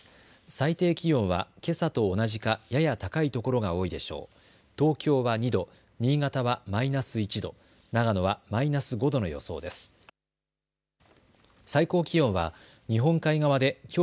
最低気温はけさと同じかやや高いところが多いでしょう。